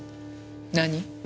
何？